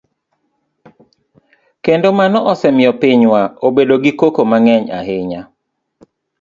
Kendo mano osemiyo pinywa obedo gi koko mang'eny ahinya.